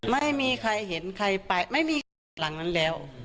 ไม่มีใครเห็นใครไปไม่มีใครติดหลังนั้นแล้ว